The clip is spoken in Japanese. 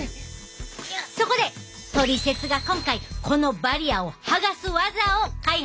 そこでトリセツが今回このバリアをはがす技を開発したで！